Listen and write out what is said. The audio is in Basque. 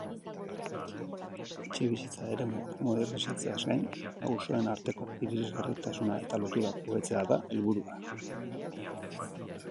Etxebizitza eremuak modernizatzeaz gain, auzoen arteko irisgarritasuna eta lotura hobetzea da helburua.